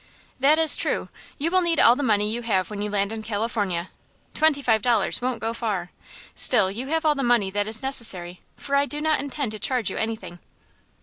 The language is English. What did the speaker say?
"That is true. You will need all the money you have when you land in California. Twenty five dollars won't go far still you have all the money that is necessary, for I do not intend to charge you anything."